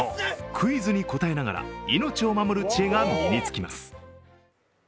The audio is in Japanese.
クイズに答えながら命を守る知恵が身につきます。